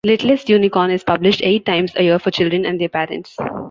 "Littlest Unicorn" is published eight times a year for children and their parents.